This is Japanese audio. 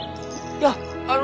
いやあの。